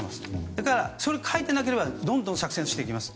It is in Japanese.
だから、書いていなければどんどん作戦をしていきます。